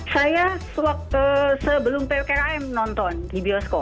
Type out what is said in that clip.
saya sebelum ppkm nonton di bioskop